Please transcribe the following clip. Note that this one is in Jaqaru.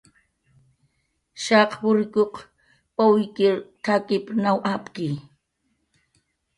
"Shaq wurrikunq pawykir t""akip naw apawi."